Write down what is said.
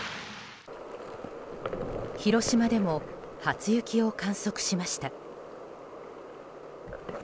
広島でも初雪を観測しました。